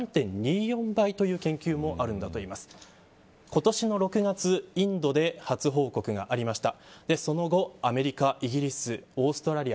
今年の６月インドで初報告がありました。